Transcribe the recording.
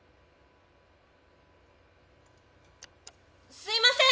すいません！